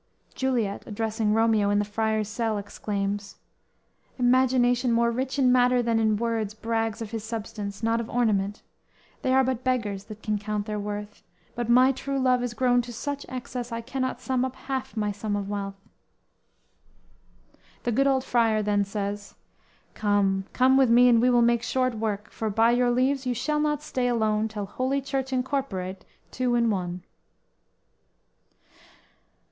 "_ Juliet addressing Romeo in the Friar's cell exclaims: _"Imagination more rich in matter than in words, Brags of his substance, not of ornament; They are but beggars that can count their worth; But my true love is grown to such excess, I cannot sum up half my sum of wealth."_ The good old Friar then says: _"Come, come with me and we will make short work; For, by your leaves, you shall not stay alone Till holy church incorporate two in one!"